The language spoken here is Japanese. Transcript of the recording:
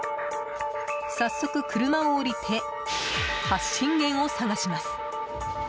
早速、車を降りて発信源を探します。